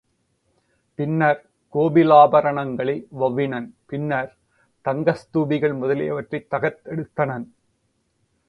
பின்னர் கோயிலாபரணங்களை வெளவினன் பின்னர், தங்க ஸ்தூபிகள் முதலியவற்றைத் தகர்த்தெடுத் தனன்.